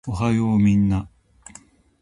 おはようみんな